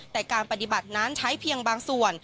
แต่การปฏิบัตินั้นใช้เพียงบางส่วน